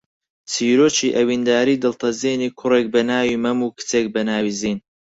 چیرۆکی ئەوینداریی دڵتەزێنی کوڕێک بە ناوی مەم و کچێک بە ناوی زین